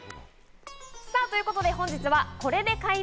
ということで本日は、これで快眠。